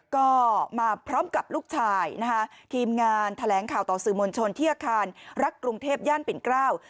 ก็มาพร้อมกับลูกชายนะคะทีมงานแถลงข่าวต่อสื่อมวลชนที่อาคารรักกรุงเทพย่านปิ่นเกล้า